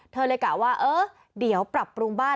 เธอเลยกะว่าเออเดี๋ยวปรับปรุงบ้าน